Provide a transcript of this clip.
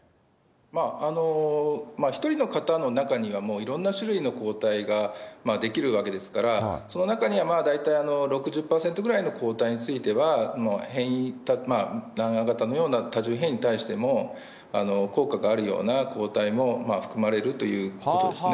まあ、１人の方の中には、もういろんな種類の抗体ができるわけですから、その中には、まあ大体６０％ぐらいの抗体については、変異、南ア型のような多重変異に対しても、効果があるような抗体も含まれるということですね。